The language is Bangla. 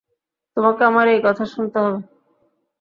তোমাকে আমার এই কথাও শুনতে হবে।